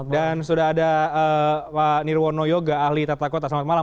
dan sudah ada pak nirwono yoga ahli tata kota